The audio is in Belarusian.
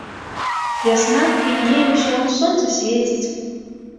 Вясна, квітнее ўсё, сонца свеціць.